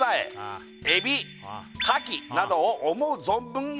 「などを思う存分焼いて」